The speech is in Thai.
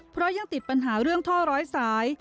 เพราะยังติดปัญหาเรื่องท่อร้อยสาย